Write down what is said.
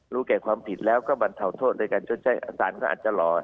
แก่ความผิดแล้วก็บรรเทาโทษในการชดใช้สารก็อาจจะหล่อ